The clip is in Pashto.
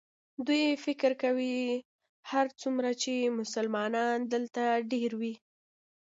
دوی فکر کوي هرڅومره چې مسلمانان دلته ډېر وي.